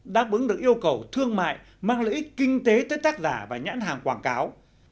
đáp ứng được yêu cầu thương mại mang lợi ích kinh tế tới tác giả và nhãn hàng quảng cáo